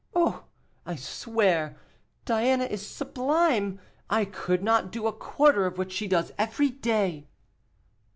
Oh! I swear, Diana is sublime, I could not do a quarter of what she does every day."